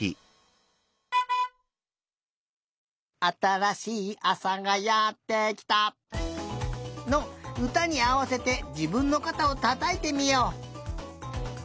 「あたらしいあさがやってきた」のうたにあわせてじぶんのかたをたたいてみよう！